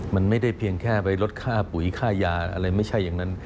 มันไม่ได้เพียงแค่ไปลดค่าปุ๋ยค่ายาอะไรไม่ใช่อย่างนั้น